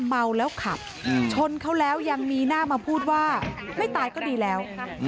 เมาแล้วขับชนเขาแล้วยังมีหน้ามาพูดว่าไม่ตายก็ดีแล้ว